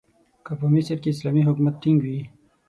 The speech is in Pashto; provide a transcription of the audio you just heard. که په مصر کې اسلامي حکومت ټینګ وي.